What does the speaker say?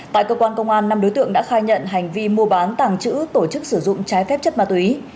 tại cơ quan công an năm đối tượng đã khai nhận hành vi mua bán tàng trữ tổ chức sử dụng trái phép chất ma túy